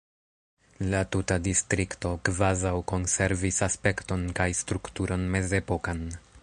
La tuta distrikto kvazaŭ konservis aspekton kaj strukturon mezepokan.